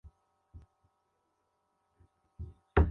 ariko ko bo batashoboraga kubikuza